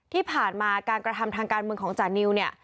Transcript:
ที่ผ่านมาการกระทำทางการเมืองของจานิวเนี่ย